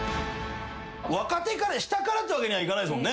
若手から下からってわけにはいかないですもんね。